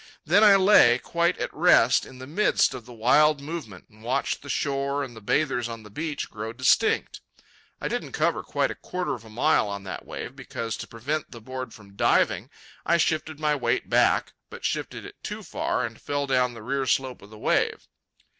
Then I lay, quite at rest in the midst of the wild movement, and watched the shore and the bathers on the beach grow distinct. I didn't cover quite a quarter of a mile on that wave, because, to prevent the board from diving, I shifted my weight back, but shifted it too far and fell down the rear slope of the wave.